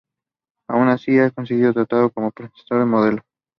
Aun así ha seguido trabajando como presentador y modelo.